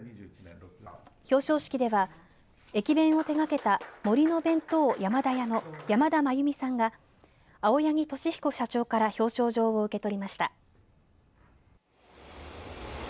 表彰式では駅弁を手がけた森の弁当やまだ屋の山田まゆみさんが青柳俊彦社長から表彰状を受け取りました。